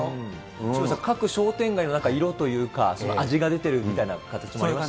渋谷さん、各商店街の色というか、味が出てるみたいな形もありましたよね。